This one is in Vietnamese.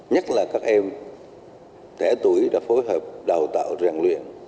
nhất là các em trẻ tuổi đã phối hợp đào tạo ràng luyện